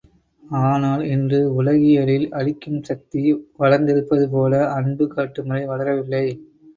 ஆனால், இன்று உலகியலில் அழிக்கும் சக்தி வளர்ந்திருப்பதுபோல, அன்பு காட்டும் முறை வளரவில்லை.